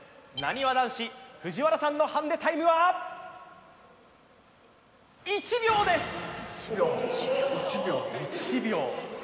なにわ男子、藤原さんのハンデタイムは１秒です。